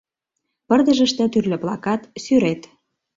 Пырдыжыште тӱрлӧ плакат, сӱрет.